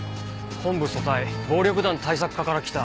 本部組対暴力団対策課から来た。